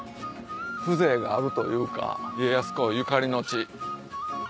風情があるというか家康公ゆかりの地。